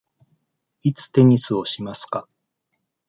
いつテニスをしますか。